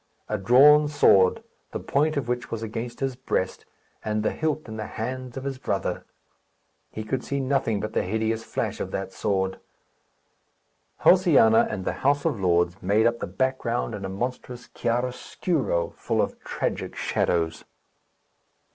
A drawn sword, the point of which was against his breast, and the hilt in the hand of his brother. He could see nothing but the hideous flash of that sword. Josiana and the House of Lords made up the background in a monstrous chiaroscuro full of tragic shadows.